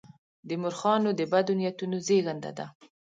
د مورخانو د بدو نیتونو زېږنده ده.